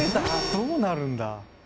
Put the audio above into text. どうなるんだ？